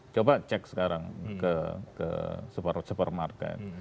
coba cek sekarang ke supermarket